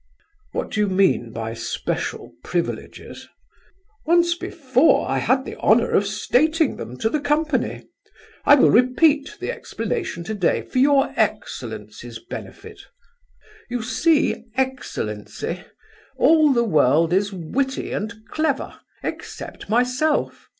"What do you mean by special privileges?" "Once before I had the honour of stating them to the company. I will repeat the explanation to day for your excellency's benefit. You see, excellency, all the world is witty and clever except myself.